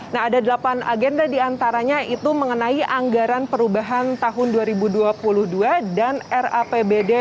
nah ada delapan agenda diantaranya itu mengenai anggaran perubahan tahun dua ribu dua puluh dua dan rapbd